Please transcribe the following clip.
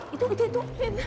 itu itu itu